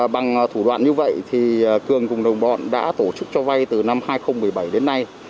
bằng thủ đoạn như vậy cường cùng đồng bọn đã tổ chức cho vay từ năm hai nghìn một mươi bảy đến nay